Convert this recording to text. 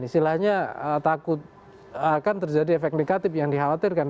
istilahnya takut akan terjadi efek negatif yang dikhawatirkan